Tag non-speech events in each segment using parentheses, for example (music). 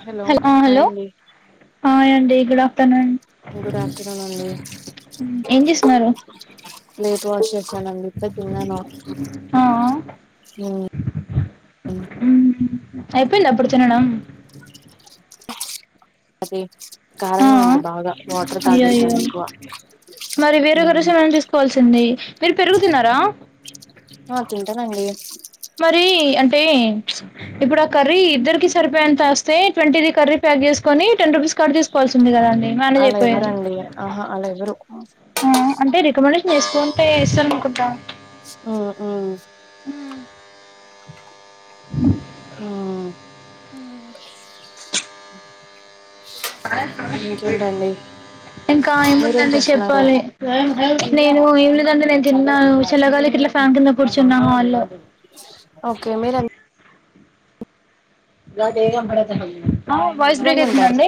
Hello హాయండి hi అండి good afternoon good afternoon అండి ఏం చేస్తున్నారు ప్లేట్ వాష్ చేస్త చల్లగైతే తినను హ్మ్ హ్మ్ అయిపోయిందా అప్పుడే తినడం అది ఆ కారంగా ఉంది బాగా వాటర్ అయ్యో అయ్యో తాగేస్తాను ఎక్కువ మరి వేరొ ఒక రసమన్నా తీసుకోవాల్సింది మీరు పెరుగు తినరా ఆ తింటాను అండి మరి అంటే ఇప్పుడు ఆ కర్రీ ఇద్దరికి సరిపోయంత వస్తే ట్వంటీది కర్రీ ప చేసుకుని టెన్ రూపీస్ కట్ తీసుకోవాల్సింది కదాండి అలా ఎవ్వరండి ఆహా అలా ఎవ్వరు అంటే రికమెండేషన్ చేసుకుంటే ఇస్తారు అనుకుంట మ్మ్ మ్మ్ ఆ అ ఆ ఇంకేంటండి ఇంకా మీరేం ఏముందండి చేస్తున్నారు చెప్పాలి నేను ఏముదంటే నేను తిన్నాను చల్లగాలికి ఇట్లా ఫ్యాన్ కింద కూర్చున్న హాల్లో ఓకే మీరు ఎంత వాయిస్ బ్రేక్ అయితుందండి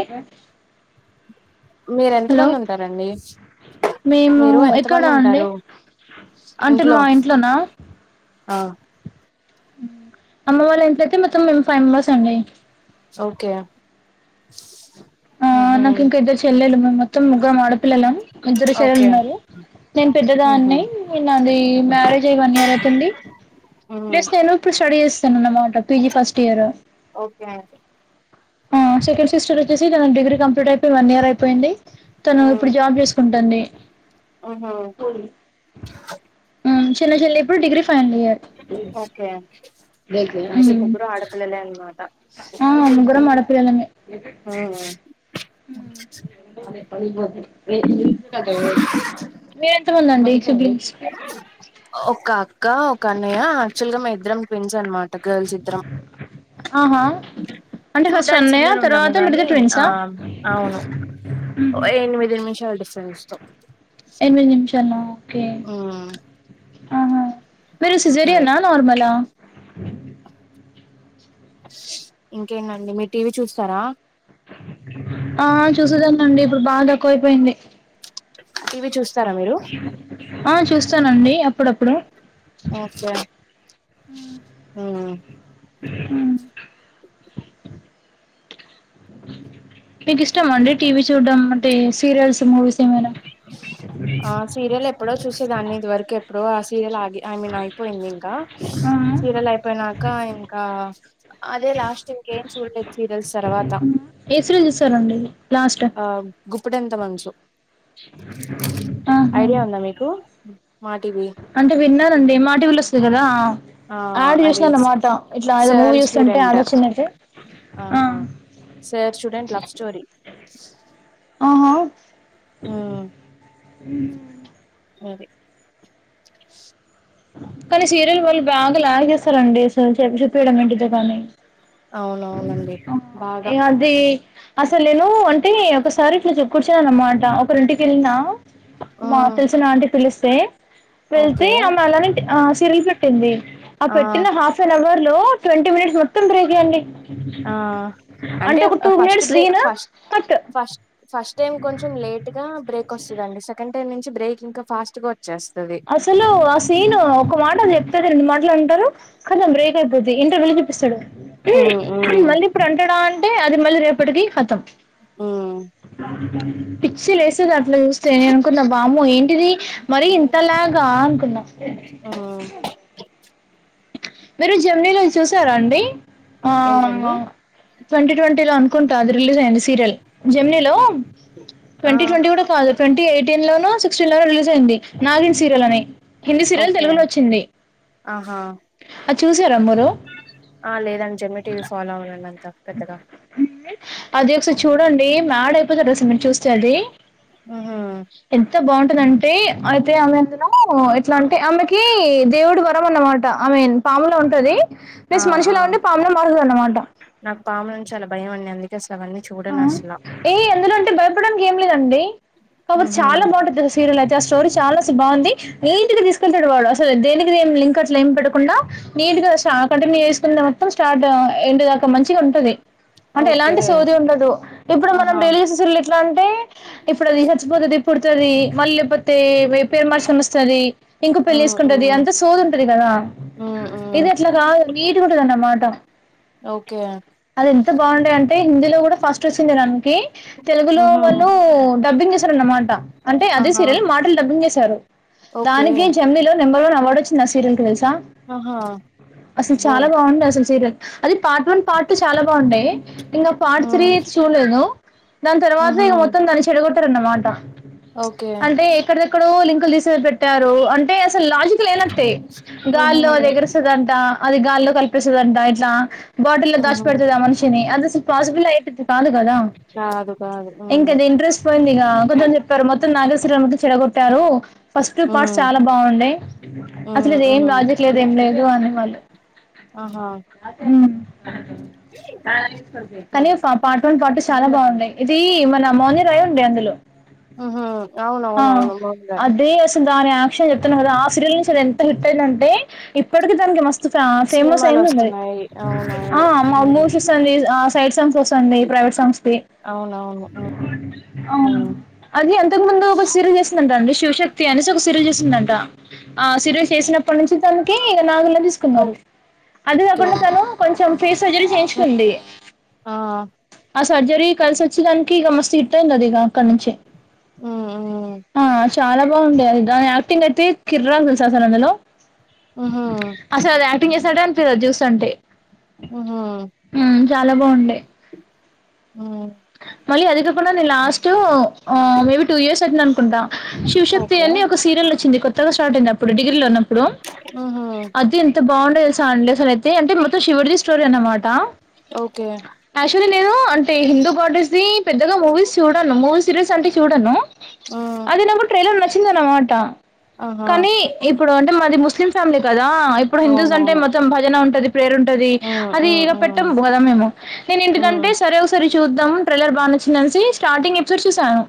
మీర ఎంత మంది ఉంటారండి మేము మీరు ఎంత ఎక్కడా మంది అండి ఉంటారు అంటే ఇంట్లో మా ఇంట్లోనా ఆ అమ్మ వాళ్ళ ఇంట్లో ఎంతయితే మొత్తం మే ఫైవ్ మెంబర్స్ అండి ఓకే ఆ మ్మ్ నాకు హ్మ్ ఇంకా ఇద్దరు చెల్లెలు మేము మొత్తం ముగ్గురం ఆడపిల్లలం ఇద్దరు చెల్లెలు ఓకే ఉన్నారు నేను పెద్దదా మ్మ్ అన్ని హ్మ్ న నా అది మ్యారేజ్ అయి వన్ ఇయర్ అవుతుంది మ్మ్ ప్లేస్ నేను ఇప్పుడు స్టడీ చేస్తానున్నమాట పీజీ ఫస్ట్ ఇయర్ ఆ సెకండ్ సిస్టర్ వచ్చసి త డిగ్రీ కంప్లీట్ అయి ఇడు వన్ ఇయర్ అయిపోయింది తను ఇప్పుడు జాబ్ చేసుకుంటాంది ఆహా చిన్న చెల్ల ఇప్పుడు డిగ్రీ ఫైనల్ ఇయర్ ఓకే మయస ఉమ్ ముగ్గురు ఆడపిలలే అమా ఆ ముగ్గురం అడ పిల్లలమే అదే పగిలి పోద్ది కదా మీరు ఎంతముంద అండి ఒక అక్క ఒక అన్నయ్య ఆక్చువల్ గా మే ఇద్దరం పెంస్ అనమాట గర్ల్స్ ఇద్దరం ఆహా అంటే ఫస్ట్ చూడ్డానికి అన్నయ్య చిమ్లనే ఉండము తర్వాత గానీ మీరిద్దరు ఆ ట్విన్సా అవును ఎనిమిది నిమిషాల డిఫరెన్స్ త ఎమిది నిమిషల ఓకే ఉమ్ ఆహా మీరు అదే సజరియనా నార్మలా ఇంకేంటండి మీ టీవీ చూస్తారా ఆ చూసదానండి ఇప్పుడు బాగా తక్కువైపోయింది టీవీ చూస్తారా మీరు ఆ చూస్తానండి అప్పుడప్పుడు ఓకే ఉ మీకు ఇష్టం అండి టీవీ చూడ్డం అంటే సీరియల్స్ మూవీస్ ఏమైనా ఆ సీరియల్ ఎప్పుడో చూసేదాన్ని ఇది వరకు ఎప్పుడో ఆ సీరియల్ ఆ ఐ మీన్ అయిపోయింది ఇంకా ఆ! సీరియల్ అయిపోయినాక ఇంకా అదే లాస్ట్ ఇకేం చూడలేదు సీరియల్స్ తర్వాత కేసరంజ చేస్తారండి (unintelligible) లాస్ట్ ఆ గుప్పుడెంత మనసు ఆహా ఐడియా ఉందా మీకు మా టీవీ అంటే విన్నారండి మాటివి ల వస్తుంది కదా ఆ ఆడ అదే చూసినా అన్నమాట ఇట్లా అది మూ సార్ చూస్తుంటే స్టూడెంట్ ఆడొచ్చిందంటే ఆహా సార్ స్టూడెంట్ లవ్ స్టోరి ఆహా మ్మ్ మ్మ్ మరి కానీ సీరియల్ వాళ్ళు బాగా లాగ్ జేస్తరండి అసలు చెబ్దిపోవడం ఏంటిదో గానీ అవునవునండి బాగా ఏ అది అసలు నేను అంటే ఒకసారి ఇట్ల చె కుర్చో అన్నమాట ఒకరింటికెళ్ళిన మా ఉమ్ తెల్సిన ఆంటి పిలిస్తే వెళ్తే ఓకే ఆమె అలానే ఆ సిరిల్ పెట్టింది ఆ పెట్టిన హాఫ్ అన్ అవర్ లో ట్వంటీ మినిట్స్ మొత్తం బ్రేకే అండి ఆ అంటే ఒక two first minutes break scene ఫస్ కట్ ఫస్ట్ ఫస్ట్ టైం కొంచెం లేట్ గా బ్రేక్ వస్తుదండి సెకండ్ టైమ్ నించి బ్రేక్ ఇంకా ఫాస్ట్ గా వచ్చేస్తది అసలు ఆ సీన్ ఒక మాట చెప్తేది రెండు మాటలంటారు కదం బ్రేక్ అయిపోద్ది ఇంటర్వెల్ చూపిస్తాడు ఉమ్ ఉమ్ మళ్ళీ ఇప్పుడంటడా అంటే అది మళ్ళీ రేపటికి కతం ఉమ్ అ పిచ్చి లేస్తది అట్ల చూస్తే నేననుకున్న వామ్మో ఏంటిది మరి లాగా అనుకున్నా ఉమ్ మీరు జమ్నీలో చూసారా అండి ఆ ఏంటండి ట్వంటీ ట్వంటీ లో అనుకుంటా అది రిలీజ్ అయింది సీరియల్ జెమినీ లో ఆ ట్వంటీ ట్వంటీ గూడా కాదు ట్వంటీ ఎయిటీన్ లో సిక్స్టీన్ లో రిలీ నాగిన్ సీరియల్ అని హిందీ సీరియల్ ఓకే తెలుగులో వచ్చింది ఆహా అది చూసారా మీరు ఆ లేదండి జమ్నీ టీ వీ ఫాలో అవనండి అంతా పెద్దగా అది ఒకసారి చూడండి మ్యాడ్ అయిపోతారు అసలు మీరు చూస్తే అది ఊహు బాగుంటుదంటే అయితే ఆమె అందులో ఎట్లా అంటే ఆమెకి దేవుడి వరం అన్నమాట మీన్ పాములో ఉంటది ఆ మీస్ మనిషిలో ఉండి పాములా మారుతదన్నమాట పామనుం చాలా భయం అండి అందుకే అసలు అవన్నీ చూడనసలా భయపడానికి ఏం లేదండి కావోతే ఉహు చాలా బాగుంటది సీరియల్ అది ఆ స్టోరీ చాలా బాగుంది నీట్గా తీసుకెళ్తాడు వాడు అస దేనికి దేనికి లింక్ అట్లేం పెడకుండా ఆ కంటిన్యు చేసుకునింది మొత్తం స్టార్ట్ ఏంటి దాకా మంచిగా ఉంటుంది అంటే ఓకే ఎలాంటి ఉండదు ఇప్పుడు మనం ఆహా డైలి చూసే సీల్ ఎట్ల అంటే ఇప్పుడు అది చచ్చిపోతుది పుడుతది మళ్ళీ పే మాషం వస్తది ఇంకో పెళ్ళి ఉమ్ ఉమ్ చేసుకుంటది అంత సోదుంటది కదా ఉమ్ ఉమ్ ఇదట్ల గాదు నీట్ కుంటదన్నమాట ఓకే అదెంత బాగుండ అంటే హిందీలో గుడ ఫస్ట్ వచ్చుండడానికి తెలుగులో ఉహు వాళ్ళు డబ్బింగ్ చేసారన్నమాట అంటే ఆహా సిరియల్ మాటలు డబ్బింగ్ చేశారు ఓకే దానికి జమ్నీలో నెంబర్ వన్ అవార్డొచ్చింది ఆ సీరియల్ ట్వైస్ ఆహా అసలు అబ్బో చాలా బాగుండే అసలు సీరియల్ అది పార్ట్ వన్ పార్ట్ టూ చాలా బాగుండయి ఇంగ పార్ట్ ఉమ్ త్రీ చూడ్లేదు దాని తర్వాత్నే ఉహు ఇగ మొత్తం దాన్ని చెడగొడట్టరన్నమాట ఓకే అంటే ఎక్కడిదెక్కడో తీసేది పెట్టారు అంటే అసలు లాజిక్ లేనట్టే ఉహు గాల్లో అది ఎగురుస్తుదంట అది గాల్లో కలిపిస్తుదంట బాటల్ లో దాష్ ఉహు పెడుతుదా మనుషిని అదసలు పాసిబిల్ అయిపుత్ కాదు గదా కాదు కాదు ఉమ్ ఇంకది ఇంట్రెస్ట్ పొయిందిగా అబద్ధం చెప్తారు నాగేశ్వర్యామికి చెడ గొట్టారు ఫస్ట్ టూ ఉమ్ పార్ట్స్ చాలా బాగుండే అసలు ఉమ్ ఇది ఏం ఉమ్ లాజిక్ లేదు ఏం లేదు అనే వాళ్ళు ఆహా ఉమ్ కానీ పార్ట్ వన్ పార్ట్ చాలా బాగున్నాయి ఇది మన మోని రాయ్ ఉండే అందులో ఊహు అవును ఆ అవును అవును మాములే అదే దాని యాక్షన్ చెప్తున్నా కదా ఆ సీరియల్ నుంచి అది ఎంత హిట్ అయిందంటే ఇప్పటిక దానికి మస్తు ఫేమస్ సినిమాలు అయింది మరి వస్తున్నాయి అవునవును ఆ మావి ఉమ్ చూస్తుంది ఆ సైట్స్ ఎమో చూసండి ప్రైవేట్ సాంగ్స్కికి (unintelligible) అవునవును ఉమ్ అది అంతకు ముందు ఒక సిరిస్ చేస్తుంది అంట అండి శివశక్తి అనేసి ఒక సిరిస్ చేసిందంట ఆ సిరిస్ చేసినప్పటి నుంచి తనకి నాగులని తీసుకున్నారు అదే ఓకే కాకుండా తను కొంచెం ఫేస్ సర్జరీ చేయించుకుంది ఆ ఆ సర్జరీ కలిసి వచ్చే దానికి ఇక మస్త్ హిట్ అయింది ఇక అక్కడ నుంచి ఉ ఊ ఆ చాలా బాగుండేయి అది దాని యాక్టింగ్ అయితే కిర్రాక్ తెలుసా అందులో ఉహా (unintelligible) ఆహ మ్మ్ చాలా బావుంటాయి హ్మ్ మళ్ళీ అదికాకుండ నే లాస్ట్ మేబి టూ ఇయర్స్ అనుకుంటాం శివశక్తి ఓకే అని ఒక సీరియల్ వచ్చింది కొత్తగా స్టార్ట్ అయిందిప్పుడు డిగ్రీలో ఉన్న ఇప్పుడు ఉహూ అది ఎంత బాగుండే తెలుసా అండి అసలు అయితే అంటే మొత్తం శివుడిది స్టోరీ అన్నమాట ఓకే యాక్చులీ నేను అంటే హిందూగాడెస్ ది పెద్దగా మూవీస్ చూడాను మూవీ సిరిస్ అంటే చూడను హ్మ్ అది నాకు ట్రైలర్ నచ్చింది అన్నమాట ఆహా కానీ ఇప్పు ఇప్పుడు అంటే మాది ముస్లిం ఫ్యామిలీ కదా ఇప్పుడు హిందూస్ అంటే అవునవును మొత్తం భజన ఉంటది ప్రేయర్ ఉంటది హ్మ్ అది హ్మ్ ఇక హ్మ్ పెట్టము కదా మేము నేను ఇంటికంటే హ్మ్ సరే ఒకసారి చూద్దాం ట్రైలర్ బాగా నచ్చిందనెసి స్టార్టింగ్ ఎపిసోడ్ చూసాను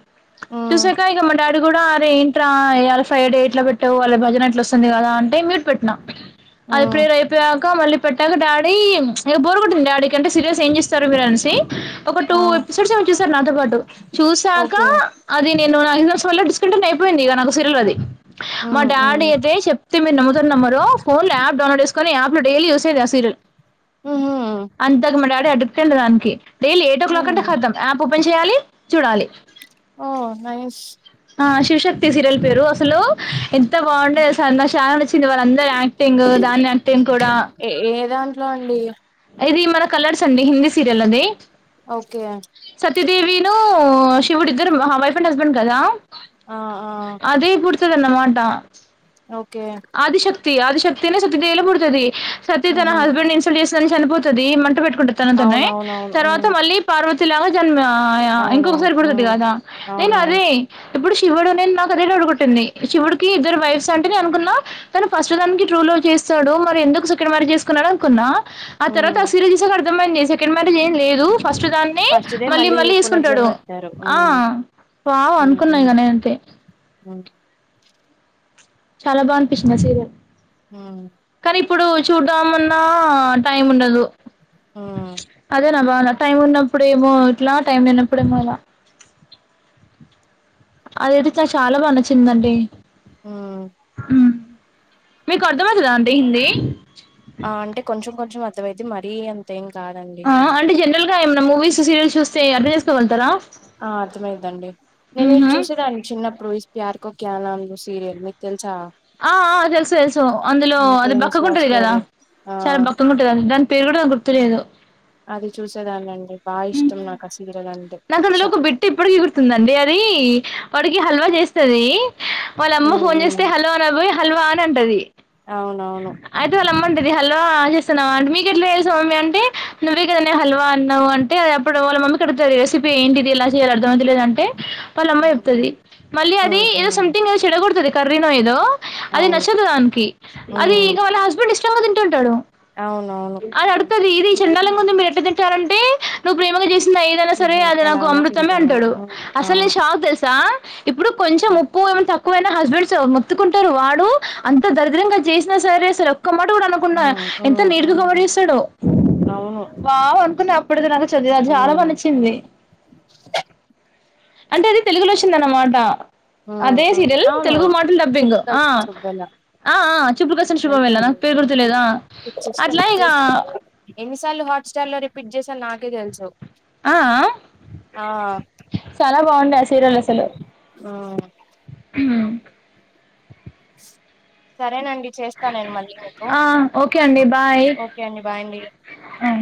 హ్మ్ చూసాక ఇక మా డాడీ కూడా అరే ఏంట్రా ఇయాలా ఫ్రైడె ఎట్లా పెట్టావు వాళ్ళ భజన ఎట్ల వస్తుంది కదా అంటే మ్యూట్ పెట్టినా అళ్ళ హ్మ్ ప్రేయర్ అయి పోయాక మళ్లి పెట్టాక డాడీఇక బోరు కొట్టింది డాడీ కంటే సీరియల్స్ ఏం చూస్తారు మీరు అనేసి ఒక టూ ఆ ఎపిసోడ్స్ ఏమో చూసారు నాతో పాటు చూసాక ఓకే అది నేను న ఐదుోస వల్ల డిస్కౌంటం అయిపోయింది ఇక నాకు సీరియల్ అది (unintelligible) మా హ్మ్ హ్మ్ డాడీ అయితే చెప్తే మీరు నమ్ముతారో నమ్మరో ఫోన్ లో యాప్ డౌన్లోడ్ చేసుకు ని ఆఫ్ లో డైలీ చూసేది ఆ సీరియల్ ఉహూ అంతకు మా డాడీ అడిక్ట్ అయిండు దానికి డైలీ ఎయిట్ ఓ క్లాక్ అంటె హ్మ్ కథం యాప్ ఓపెన్ చేయాలి చూడాలి ఓహ్ నైస్ ఆ శివశక్తి సీరియల్ పేరు అసలు ఎంత బాగుండేది సార్ నాకు సాల నచ్చింది వాళ్ళందరు యాక్టింగ్ దాన్ని యాక్టింగ్ కూడా ఇట్లా అండి ఇది మన కలర్స్ అండి హిందీ సీరియల్ అది ఓకే సతీదేవి ను శివుడు ఇద్దరు వైఫ్ అండ్ హస్బెండ్ కదా ఆ ఆ తినమాటా (unintelligible) ఓకే తి అది శక్తినే సతీ దేవి ల పుడుతది సతి తన ఉహూ హస్బెండ్ ని ఇన్సల్ట్ చేస్తుందని చనిపోతది మంట పెట్ట కొ తనతున్నాయి అవునవునవును తర్వాత హ్మ్ మళ్ళీ పార్వతిలాగా జన్మ ఆయా అవునవును ఇంకొకసారి బుడుతది హ్మ్ గాదా నేను అవునవును అదే ఇప్పుడు శివుడు నిన్నాకదే డౌట్ గొట్టింది శివుడుకి ఇద్దరు వైఫ్స్ అంటే నేన్ అనుకున్నా తను ఫస్ట్ దానికి ట్రూ లవ్ చేస్తాడు మరి ఎందుకు సెకండ్ మ్యారెజ్ జేసుకున్నాడో అనుకున్నా ఆ తర్వాత హ్మ్ ఆ సీరియల్ చూశాక అర్థమైంది సెకండ్ మ్యారేజ్ ఏం లేదు ఫస్ట్ దాన్ని ఫస్ట్‌దే మళ్ళీ మళ్ళీ ఏసుకుంటాడు పునర్జన్మ ఎత్తారు. ఆ హ్మ్. వావ్ అనుకున్నా ఇగ నేనైతే అ చాలా బా అనిపిచ్చింది ఆ సీరియల్ ఊ ఇప్పుడూ చూద్దామన్నా టైమ్ ఉండదు హ్మ్ అదే నా బాధ టైం ఉన్నప్పుడేమో ఇట్లా టైం లేనప్పుడేమో ఇలా అదైతే చా చాలా బాగా నచ్చిందండి ఊ మీకు అర్ధమైతదా అండి హిందీ ఆ అంటే కొంచెం కొంచెం అర్థమైద్ది మరీ అంతేం కాదండి. ఆ అంటే జనరల్ గా ఏమైనా మూవీస్ సీరియల్స్ చూస్తే అర్థం చేసుకోగలుతారా ఆ అర్థమైందండి నేన్ ఇ చూసేదాన్ని చిన్నప్పుడు ప్యార్కో క్యా లాంగు సిరియల్ మీక్ తెల్ ఆ ఆ తెలుసు తెలుసు అందులో హ్మ్. అది ఫేమస్ లవ్ బక్కగుంటది గదా స్టోరీ. ఆ! సరె బక్కగ ఉంటదది దాన్ పేరు గూడా గుర్తులేదు అది చూసేదాన్నండి బాగ ఇష్టం నాకస్ నాకు అందులో ఒక బిట్టు ఇప్పటికి గుర్తుంది అదీ వాడికి హల్వా జేస్తదీ వాళ్ళ అమ్మ హ్మ్. ఫోన్ హ్మ్. జేస్తే హల్వా అనబోయి హల్వా అని అంటది అవునవును ఇది హల్వా ఆ చేేస్తున్నవా అంటే మీకు ఎట్లా మమ్మీ అంటే నువ్వే కదనే హల్వా అన్నావు అంటే అది అప్పుడు ఓల్ మమ్మీకి అడుగుతది రెసిపీ ఏంటిది ఇలా చేయాలి అర్దం అయితాలేదంటే వాళ్ళ అమ్మ హ్మ్. చెప్తుది మళ్ళీ అది హ్మ్. ఏదో హ్మ్. సంథింగ్ ఏదో చెడ కొడుతది కర్రీనో ఏదో అది అవును. నచ్చదు దానికి అది హ్మ్. ఇగ వాళ్ళ హస్బెండ్ ఇష్టంగా తింటుంటాడు అవునవును తది ఇది చెండాలంగుంది మీరు ఎట్ల తింటారంటే నువ్ ప్రేమగ జేసిందై సరే నిజమే. అది ఎలా నాకు ఉన్నా అమృతమే తింటాను. అంటాడు హ్మ్. అసల్ అవును. నేన్ షాక్ దెలుసా ఇప్పుడు కొంచెం హ్మ్. ఉప్పూ ఏమన తక్ కువైనా హస్బెండ్స్ మొత్తుకుంటరు వాడు అంత దరిద్రంగా జేసినా సరే అసలు క్క మాట గూడా అనుకుండా హ్మ్. ఎంత హ్మ్. నీటిగా కవర్ హ్మ్. జేస్సడో అవును. వావ్ అనుకున్నా అప్పుడుది నాకు చది అది చాలా బా హ్మ్. నచ్చింది అంటే అది తెలుగులో తిందనమాట హ్మ్ అదే హ్మ్ సీరియల్ అవును తెలుగు మోడల్ డబ్బింగ్ చూపులు ఆ కలిసిన చువ్వెల ఆ ఆ చూపులు కలిసిన శుభవేళ తెలుసండి. నాకు పేరు గుర్తులేదు ఆ అట్లా ఇగా టల్లు హాట్స్టార్ లో రిపీట్ జేసా నాకే తెలుసు ఆ ఆ ఆ చాలా బాగుండే ఆ సీరియల్ అసలు ఉమ్. ఊ సరేనండి ఇ చేస్తా నేను మళ్ళీ మీకూ ఆ ఓకే అండి బాయ్ ఓకే అండి బాయ్ అండి ఆ